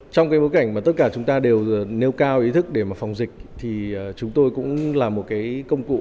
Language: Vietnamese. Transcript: trong cái bối cảnh mà tất cả chúng ta đều nêu cao ý thức để mà phòng dịch thì chúng tôi cũng là một cái công cụ